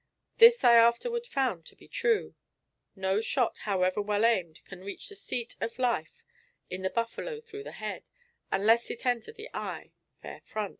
This I afterward found to be true. No shot, however well aimed, can reach the seat of life in the buffalo through the head, unless it enter the eye, fair front.